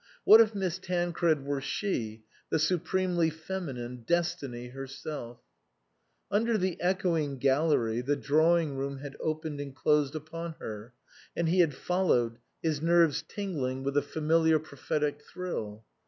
What if Miss Tancred were she, the supremely feminine, Destiny herself ? Under the echoing gallery the drawing room had opened and closed upon her, and he had followed, his nerves tingling with the familiar prophetic thrill.